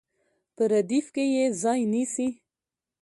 په ردیف کې یې ځای نیسي.